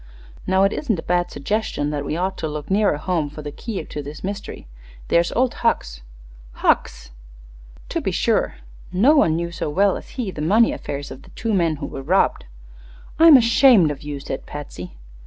Now, it isn't a bad suggestion that we ought to look nearer home for the key to this mystery. There's old Hucks." "Hucks!" "To be sure. No one knew so well as he the money affairs of the two men who were robbed." "I'm ashamed of you," said Patsy.